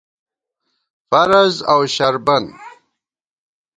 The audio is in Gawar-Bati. فرض اؤ شربَن